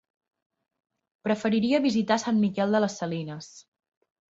Preferiria visitar Sant Miquel de les Salines.